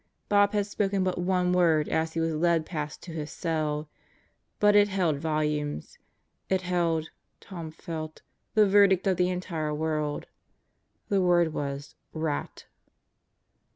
Bob had spoken but one word as he was led past to his cell. But it held volumes. It held, Tom felt, the verdict of the entire world. The word was "Rat!"